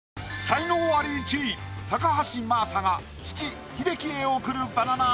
才能アリ１位高橋真麻が父・英樹へ送るバナナ